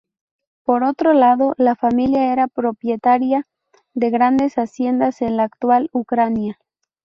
Por otro lado, la familia era propietaria de grandes haciendas en la actual Ucrania.